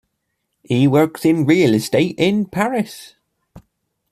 He works in real estate in Paris.